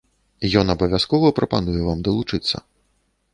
Ён абавязкова прапануе вам далучыцца.